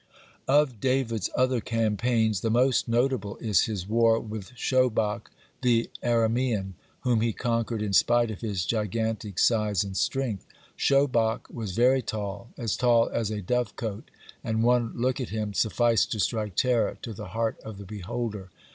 (55) Of David's other campaigns, the most notable is his war with Shobach the Aramean, whom he conquered in spite of his gigantic size and strength. Shobach was very tall, as tall as a dove cote, and one look at him sufficed to strike terror to the heart of the beholder.